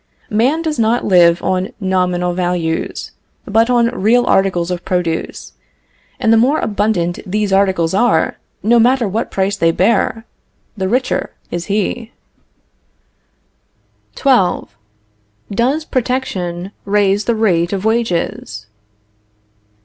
Man does not live on nominal values, but on real articles of produce; and the more abundant these articles are, no matter what price they may bear, the richer is he. XII. DOES PROTECTION RAISE THE RATE OF WAGES?